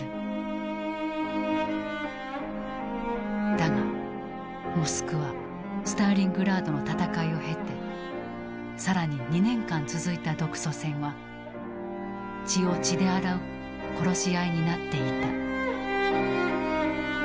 だがモスクワスターリングラードの戦いを経て更に２年間続いた独ソ戦は血を血で洗う殺し合いになっていった。